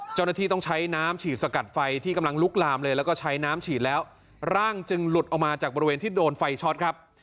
เจ้าหน้าที่ต้องใช้น้ำฉีดสกัดไฟที่กำลังลุกลามเลยแล้วก็ใช้น้ำฉีดแล้วร่างจึงหลุดออกมาจากบริเวณที่โดนไฟช็อตครับ